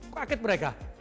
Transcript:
kok akit mereka